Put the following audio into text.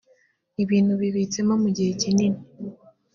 ibintu bibitsemo mu gihe kinini